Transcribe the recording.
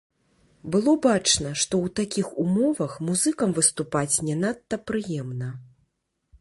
Было бачна, што ў такіх умовах музыкам выступаць не надта прыемна.